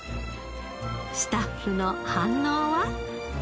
スタッフの反応は？